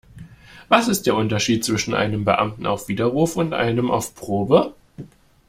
Was ist der Unterschied zwischen einem Beamten auf Widerruf und einem auf Probe?